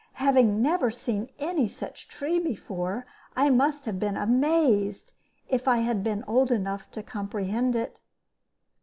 Having never seen any such tree before, I must have been amazed if I had been old enough to comprehend it.